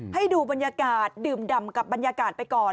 ให้ดูบรรยากาศดื่มดำกับบรรยากาศไปก่อน